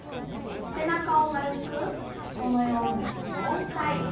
背中を丸くこのように４回ゆすります。